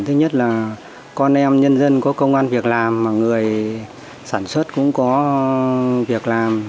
thứ nhất là con em nhân dân có công an việc làm mà người sản xuất cũng có việc làm